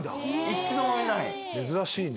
・一度もない？